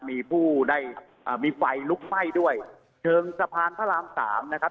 มีผู้มีไฟลุกไฟ้ด้วยเฌิงสะพานพระราม๓นะครับ